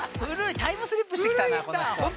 タイムスリップしてきたなこの人。